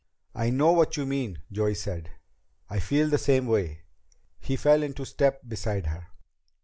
"I know what you mean," Joey said. "I feel the same way." He fell into step beside her.